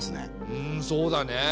うんそうだね。